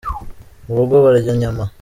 Murugo barya inyama.